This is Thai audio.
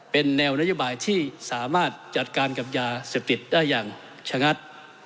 เป็นแนวนโยบายที่สามารถจัดการกับยาเสพติดได้อย่างชะงัด